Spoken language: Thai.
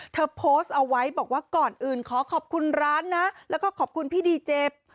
เธอโพสต์เอาไว้บอกว่าก่อนอื่นขอขอบคุณร้านนะแล้วก็ขอบคุณพี่ดีเจ